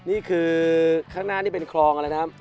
นี่คือข้างหน้านี่เป็นคลองอะไรนะครับ